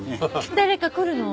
誰か来るの？